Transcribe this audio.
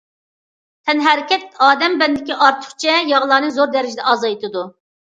تەنھەرىكەت ئادەم بەدىنىدىكى ئارتۇقچە ياغلارنى زور دەرىجىدە ئازايتىدۇ.